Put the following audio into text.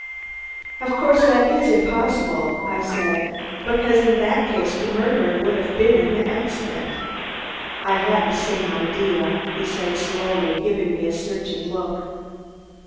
"Of course that is impossible," I said, "because in that case the murderer would have been in the accident." "I had the same idea," he said slowly, giving me a searching look.